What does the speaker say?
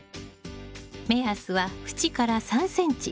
目安は縁から３ｃｍ。